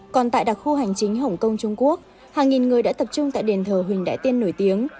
còn tại đặc khu hành chính hồng kông trung quốc hàng nghìn người đã tập trung tại đền thờ huỳnh đại tiên nổi tiếng